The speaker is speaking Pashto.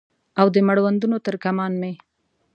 او د مړوندونو تر کمان مې